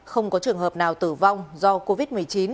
không có trường hợp nào tử vong do covid một mươi chín